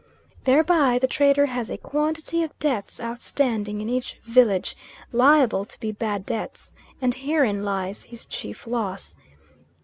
Thereby the trader has a quantity of debts outstanding in each village, liable to be bad debts, and herein lies his chief loss.